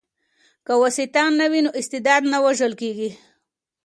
که واسطه نه وي نو استعداد نه وژل کیږي.